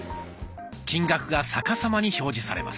金額が逆さまに表示されます。